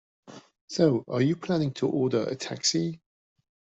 So, are you planning to order a taxi?